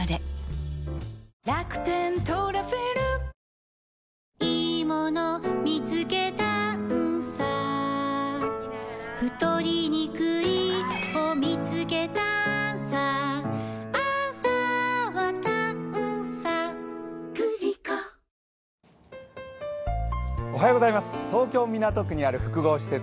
三井不動産東京・港区にある複合施設